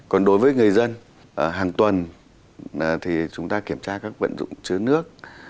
còn đối với người dân hàng tuần thì chúng ta kiểm tra các vận dụng chứa nước